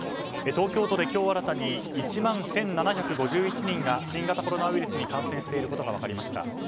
東京都で今日新たに１万１７５１人が新型コロナウイルスに感染していることが分かりました。